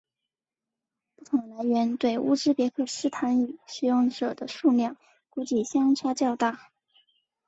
不同的来源对乌兹别克语使用者的数量估计相差较大。